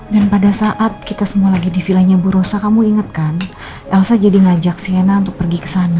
pada saat kita semua lagi di villanya bu rosa kamu inget kan elsa jadi ngajak si hena untuk pergi ke sana